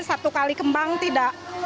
satu kali kembang tidak